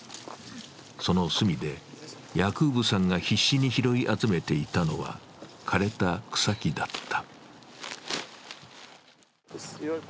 その隅で、ヤクーブさんが必死に拾い集めていたのは、枯れた草木だった。